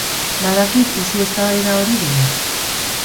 Badakit usu eztabaida hori dela.